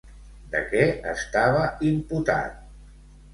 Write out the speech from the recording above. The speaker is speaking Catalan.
De què estava imputat?